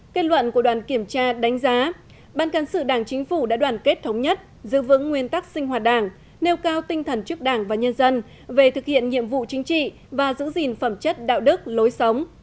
kết luận của đoàn kiểm tra đánh giá ban cán sự đảng chính phủ đã đoàn kết thống nhất giữ vững nguyên tắc sinh hoạt đảng nêu cao tinh thần trước đảng và nhân dân về thực hiện nhiệm vụ chính trị và giữ gìn phẩm chất đạo đức lối sống